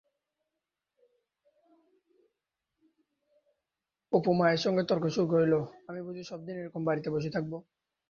অপু মায়ের সঙ্গে তর্ক শুরু করিল-আমি বুঝি সবদিন এইরকম বাড়িতে বসে থাকবো?